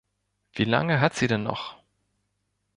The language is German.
Wie lange hat sie denn noch?